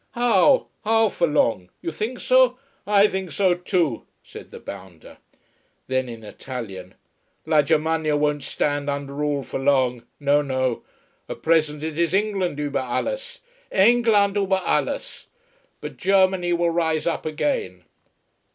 "How? Not for long? You think so? I think so too," said the bounder. Then in Italian: "La Germania won't stand under all for long. No, no. At present it is England über alles. England über alles. But Germany will rise up again."